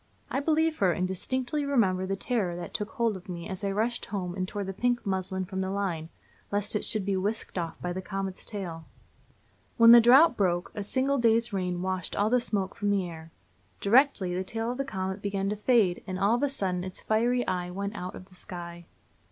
I believe her, and distinctly remember the terror that took hold of me as I rushed home and tore the pink muslin from the line, lest it should be whisked off by the comet's tail. When the drought broke, a single day's rain washed all the smoke from the air. Directly, the tail of the comet began to fade, and all of a sudden its fiery eye went out of the sky.